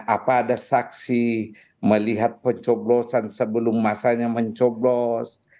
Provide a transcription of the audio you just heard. apa ada saksi melihat pencoblosan sebelum masanya mencoblos